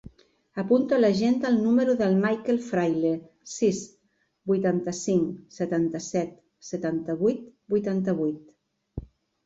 Apunta a l'agenda el número del Mikel Fraile: sis, vuitanta-cinc, setanta-set, setanta-vuit, vuitanta-vuit.